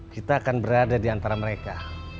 kita akan berada di antara mereka